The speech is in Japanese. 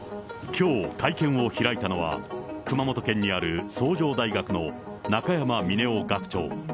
きょう、会見を開いたのは、熊本県にある崇城大学の中山峰男学長。